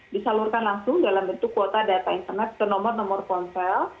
disalurkan langsung dalam bentuk kuota data internet ke nomor nomor ponsel